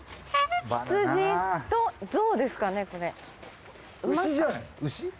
羊と象ですかねこれ？